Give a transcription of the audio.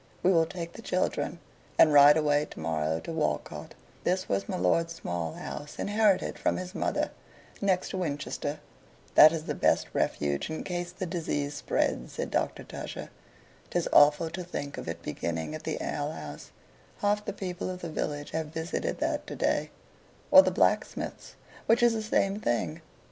"We will take the children and ride away to morrow to Walcote:" this was my lord's small house, inherited from his mother, near to Winchester. "That is the best refuge in case the disease spreads," said Dr. Tusher. "'Tis awful to think of it beginning at the ale house; half the people of the village have visited that to day, or the blacksmith's, which is the same thing.